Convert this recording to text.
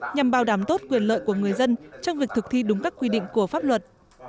nhằm bảo đảm tốt quyền lợi của người dân trong việc thực thi đúng các quy định của pháp luật